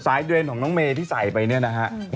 สายเตรียมของน้องเมย์ที่ใส่ไปนะฮะ